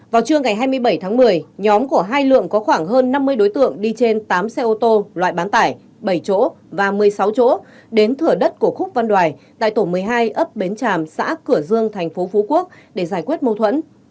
vào trưa ngày hai mươi bảy tháng một mươi nhóm của hai lượng có khoảng hơn năm mươi đối tượng đi trên tám xe ô tô loại bán tải bảy chỗ và một mươi sáu chỗ đến thửa đất của khúc văn đoài tại tổ một mươi hai ấp bến tràm xã cửa dương tp phú quốc để giải quyết mâu thuẫn